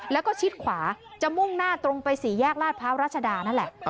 แล้วก็ชิดขวาจะมุ่งหน้าตรงไปสี่แยกลาดพร้าวรัชดานั่นแหละ